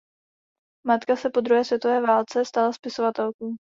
Matka se po druhé světové válce stala spisovatelkou.